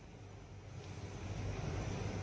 ติดลูกคลุม